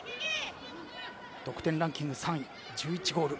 得点ランキング３位、１１ゴール。